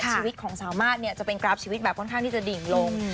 ชีวิตของสามารถเนี่ยจะเป็นกราฟชีวิตแบบค่อนข้างที่จะดิ่งลง